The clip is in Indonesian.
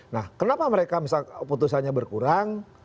nah kenapa mereka misalnya putusannya berkurang